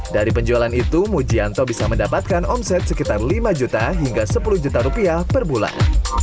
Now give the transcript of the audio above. dari penjualan itu mujianto bisa mendapatkan omset sekitar lima juta hingga sepuluh juta rupiah per bulan